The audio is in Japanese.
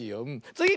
つぎ！